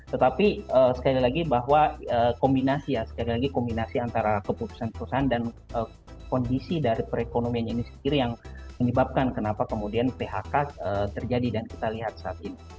tetapi sekali lagi bahwa kombinasi ya sekali lagi kombinasi antara keputusan keputusan dan kondisi dari perekonomian ini sendiri yang menyebabkan kenapa kemudian phk terjadi dan kita lihat saat ini